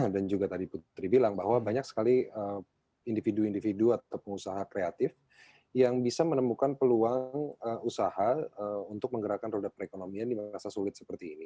dan juga tadi putri bilang bahwa banyak sekali individu individu atau pengusaha kreatif yang bisa menemukan peluang usaha untuk menggerakkan roda perekonomian yang merasa sulit seperti ini